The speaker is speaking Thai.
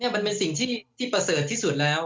มันเป็นสิ่งที่ประเสริฐที่สุดแล้ว